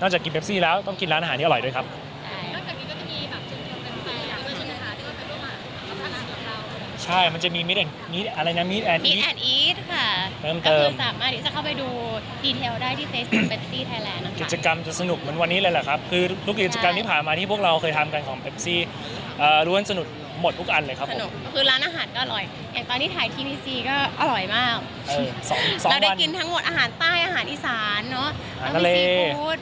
นอกจากกินเบปซี่แล้วต้องกินร้านอาหารที่อร่อยด้วยครับใช่มันจะมีมีทแอนด์อีทค่ะก็คือสามารถจะเข้าไปดูดีเทลได้ที่เฟซกันเบปซี่ไทยแลนด์นะครับกิจกรรมจะสนุกเหมือนวันนี้เลยแหละครับคือทุกกิจกรรมที่ผ่านมาที่พวกเราเคยทำกันของเบปซี่ร่วมสนุกหมดทุกอันเลยครับผมคือร้านอาหารก็อร่อยอย่างตอนนี้ถ่าย